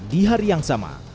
di hari yang sama